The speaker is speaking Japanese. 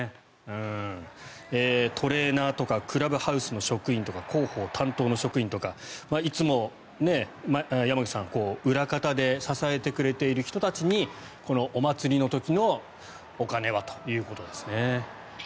トレーナーとかクラブハウスの職員とか広報担当の職員とか山口さん、いつも裏方で支えてくれている人たちにお祭りの時のお金はということですね。